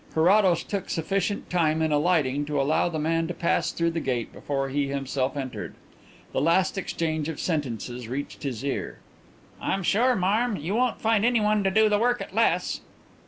Carrados took sufficient time in alighting to allow the man to pass through the gate before he himself entered. The last exchange of sentences reached his ear. "I'm sure, marm, you won't find anyone to do the work at less."